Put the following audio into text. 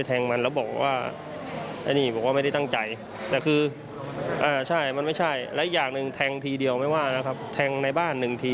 สอบพ่อบางแก้วแจ้ง๒ข้อหานะฆ่าคนตายโดยเจตนา